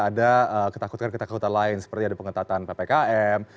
ada ketakutan ketakutan lain seperti ada pengetatan ppkm